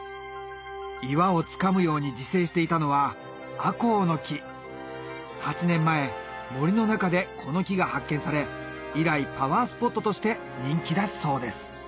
岩をつかむように自生していたのは８年前森の中でこの木が発見され以来パワースポットとして人気だそうです